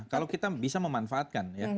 kalau kita bisa memanfaatkan ya